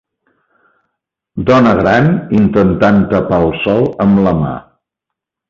Dona gran intentant tapar el sol amb la mà.